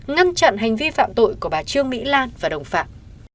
ngăn chặn hành vi phạm tội của bà trương mỹ lan và đồng phạm